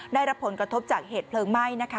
ได้รับผลกระทบจากเหตุเพลิงไหม้นะคะ